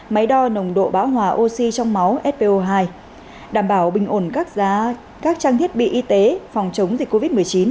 máy đo nồng độ bão hòa oxy trong máu fpo hai đảm bảo bình ổn các trang thiết bị y tế phòng chống dịch covid một mươi chín